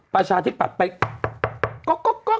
ปราชาธิปัตย์ไปก๊อกก๊อกก๊อก